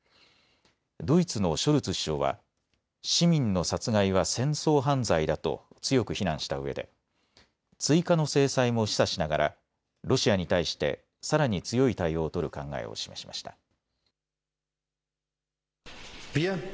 ドイツのショルツ首相は市民の殺害は戦争犯罪だと強く非難したうえで追加の制裁も示唆しながらロシアに対してさらに強い対応を取る考えを示しました。